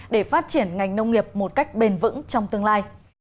để phát triển ngành nông nghiệp một cách bền vững trong tương lai